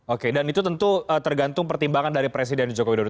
oke dan itu tentu tergantung pertimbangan dari presiden joko widodo